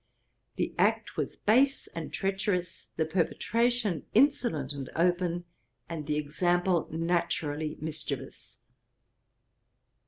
The act was base and treacherous, the perpetration insolent and open, and the example naturally mischievous.